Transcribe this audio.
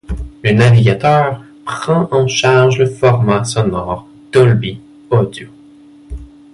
Le navigateur prend en charge le format sonore Dolby Audio.